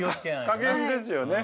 加減ですよね。